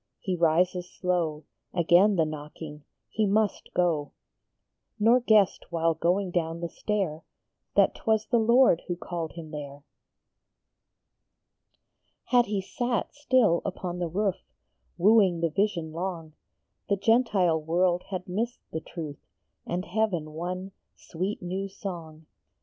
he rises slow ; Again the knocking ; he must go ; Nor guessed, while going down the stair, That t was the Lord who called him there. Had he sat still upon the roof, Wooing the vision long, The Gentile world had missed the truth, And Heaven one " sweet new song."